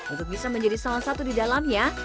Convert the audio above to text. untuk bisa menjadi salah satu di dalamnya